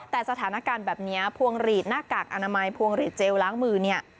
แต่สถานการณ์แบบนี้พวงหลีดหน้ากากอนามัยพวงหลีดเจลล้างมือเนี่ย